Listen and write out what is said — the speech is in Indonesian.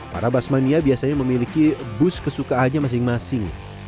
para basmania biasanya memiliki bus kesukaannya masing masing